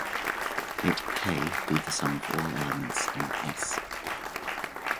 Let "K" be the sum of all elements in "S".